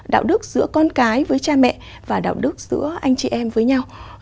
đạo đức giữa con cái với cha mẹ và đạo đức giữa anh chị em với nhau